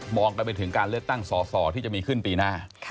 องกันไปถึงการเลือกตั้งสอสอที่จะมีขึ้นปีหน้า